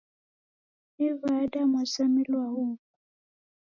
Ni w'ada mwazamilwa huwu?